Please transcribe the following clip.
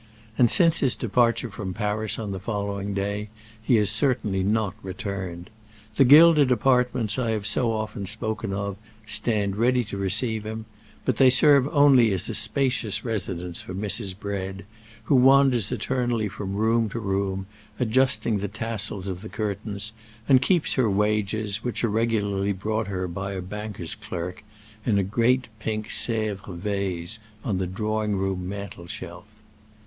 And since his departure from Paris on the following day he has certainly not returned. The gilded apartments I have so often spoken of stand ready to receive him; but they serve only as a spacious residence for Mrs. Bread, who wanders eternally from room to room, adjusting the tassels of the curtains, and keeps her wages, which are regularly brought her by a banker's clerk, in a great pink Sèvres vase on the drawing room mantelshelf.